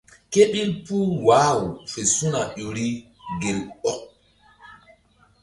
Ke ɓil puh wah-aw fe su̧na ƴo ri gel ɔk.